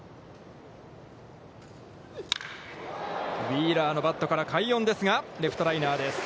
ウィーラーのバットから快音ですが、レフトライナーです。